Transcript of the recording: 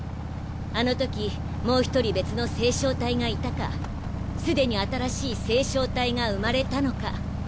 あのときもう一人別の星漿体がいたかすでに新しい星漿体が生まれたのか。